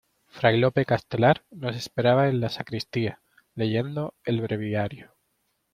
fray Lope Castelar nos esperaba en la sacristía leyendo el breviario.